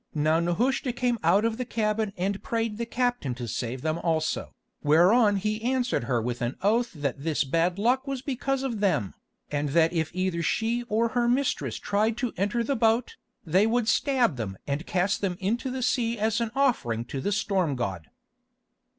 Now Nehushta came out of the cabin and prayed the captain to save them also, whereon he answered her with an oath that this bad luck was because of them, and that if either she or her mistress tried to enter the boat, they would stab them and cast them into the sea as an offering to the storm god.